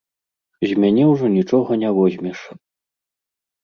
З мяне ўжо нічога не возьмеш.